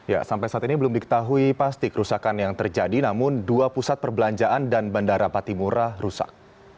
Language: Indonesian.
ya sampai saat ini belum diketahui pasti kerusakan yang terjadi namun dua pusat perbelanjaan dan bandara patimura rusak